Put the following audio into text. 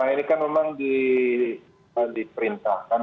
ini kan memang diperintahkan